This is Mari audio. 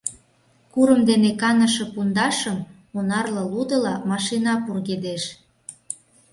Курым дене каныше пундашым онарле лудыла машина пургедеш.